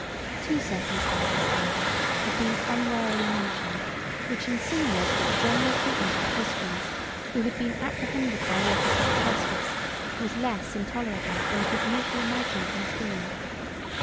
179 Two circumstances, however, have been unwarily mentioned, which insinuate that the general treatment of the Christians, who had been apprehended by the officers of justice, was less intolerable than it is usually imagined to have been.